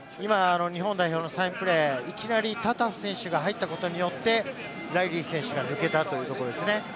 今、日本代表のプレー、いきなりタタフ選手が入ったことによってライリー選手が抜けたというところですね。